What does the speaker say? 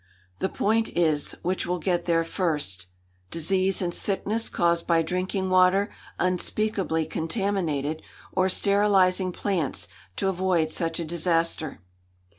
The point is, which will get there first, disease and sickness caused by drinking water unspeakably contaminated, or sterilising plants to avoid such a disaster."